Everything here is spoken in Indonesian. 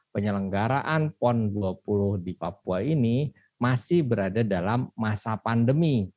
penyelenggaraan pon dua puluh di papua ini masih berada dalam masa pandemi